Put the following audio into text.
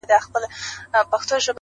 • لاس مو تل د خپل ګرېوان په وینو سور دی,